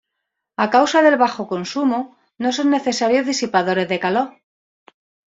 A causa del bajo consumo no son necesarios disipadores de calor.